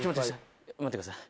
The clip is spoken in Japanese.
待ってください。